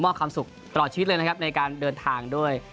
ความสุขตลอดชีวิตเลยนะครับในการเดินทางด้วย